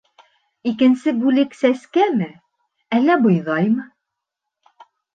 Икенсе бүлек Сәскәме, әллә бойҙаймы?